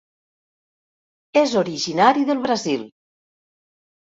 És originari del Brasil.